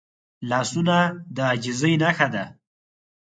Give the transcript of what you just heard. لاسونه د عاجزۍ نښه ده